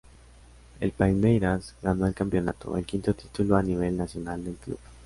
El Palmeiras ganó el campeonato, el quinto título a nivel nacional del club.